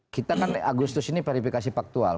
kita kan agustus ini verifikasi faktual